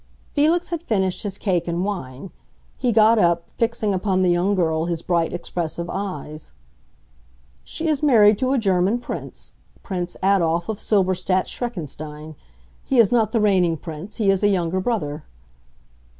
Felix had finished his cake and wine; he got up, fixing upon the young girl his bright, expressive eyes. "She is married to a German prince—Prince Adolf, of Silberstadt Schreckenstein. He is not the reigning prince; he is a younger brother."